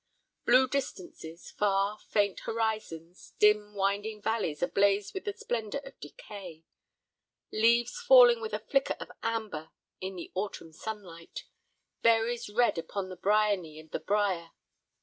Blue distances, far, faint horizons, dim, winding valleys ablaze with the splendor of decay. Leaves falling with a flicker of amber in the autumn sunlight. Berries red upon the bryony and the brier.